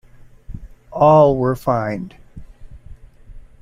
All were fined.